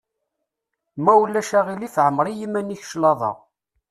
Ma ulac aɣilif ɛemmeṛ i yiman-ik claḍa.